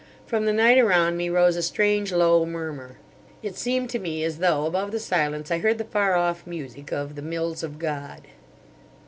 From the night around me rose a strange low murmur. It seemed to me as though above the silence I heard the far off music of the Mills of God.